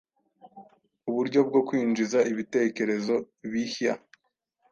uburyo bwo kwinjiza ibitekerezo bihya